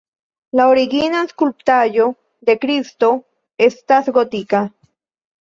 La originan skulptaĵo de Kristo estas gotika.